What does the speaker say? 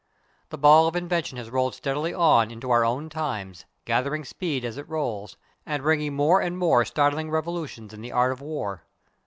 The ball of invention has rolled steadily on into our own times, gathering size as it rolls, and bringing more and more startling revolutions in the art of war.